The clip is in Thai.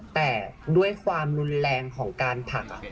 แต่ด้วยความรุนแรงของการผลัก